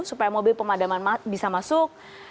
supaya mobil pemadaman bisa masuk